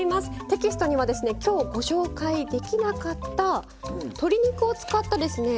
テキストには今日ご紹介できなかった鶏肉を使ったですね